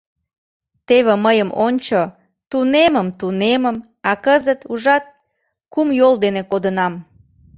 Теве мыйым ончо, тунемым, тунемым, а кызыт, ужат, кум йол дене кодынам.